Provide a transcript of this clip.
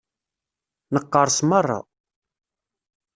Neqqerṣ meṛṛa.